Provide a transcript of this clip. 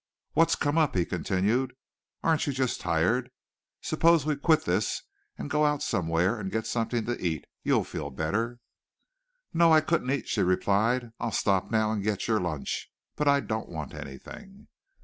"What's come up?" he continued. "Aren't you just tired? Suppose we quit this and go out somewhere and get something to eat. You'll feel better." "No, I couldn't eat," she replied. "I'll stop now and get your lunch, but I don't want anything."